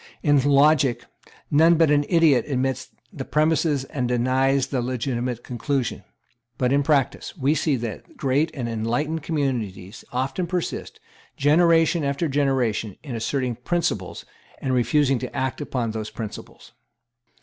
In logic, none but an idiot admits the premises and denies the legitimate conclusion. But in practice, we see that great and enlightened communities often persist, generation after generation, in asserting principles, and refusing to act upon those principles.